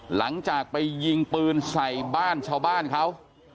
หลังจากไปยิงปืนใส่บ้านชาวบ้านเขา